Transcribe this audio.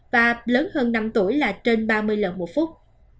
và lớn hơn năm tuổi là trên ba mươi lần một phút